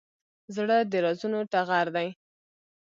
زړه د رازونو ټغر دی.